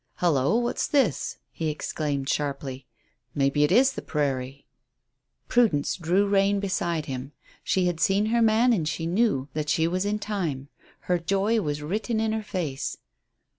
"Hullo, what's this?" he exclaimed sharply. "Maybe it is the prairie." Prudence drew rein beside him. She had seen her man, and she knew that she was in time. Her joy was written in her face.